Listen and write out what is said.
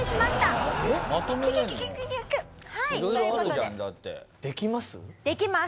できます？